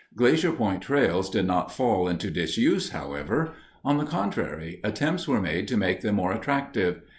Glacier Point trails did not fall into disuse, however. On the contrary, attempts were made to make them more attractive.